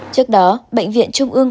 trước đó bệnh viện trung ương